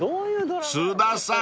［津田さん